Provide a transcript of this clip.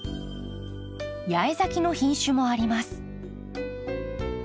八重咲きの品種もあります。